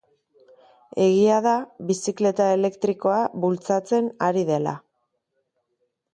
Egia da, bizikleta elektrikoa bultzatzen ari dela.